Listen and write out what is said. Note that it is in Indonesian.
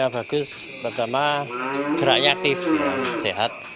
bagus pertama geraknya aktif sehat